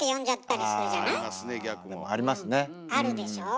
あるでしょう？